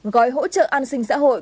gói hỗ trợ an sinh xã hội